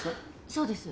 そうです。